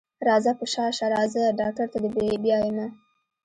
راځه په شا شه راځه ډاکټر ته دې بيايمه.